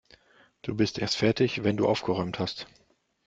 Du bist erst fertig, wenn du aufgeräumt hast.